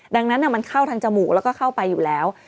ดังนั้นมันเข้าทางจมูกแล้วก็เข้าไปอยู่แล้ว